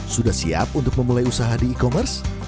sudah siap untuk memulai usaha di e commerce